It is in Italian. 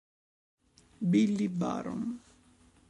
Billy Baron